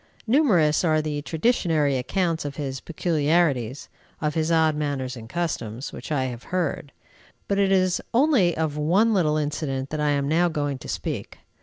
Numerous are the traditionary accounts of his peculiarities, of his odd manners and customs, which I have heard; but it is only of one little incident that I am now going to speak.